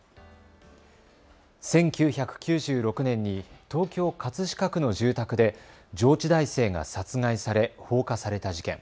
１９９６年に東京葛飾区の住宅で上智大生が殺害され放火された事件。